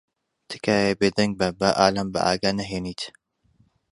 تکایە بێدەنگ بە با ئالان بە ئاگا نەھێنیت.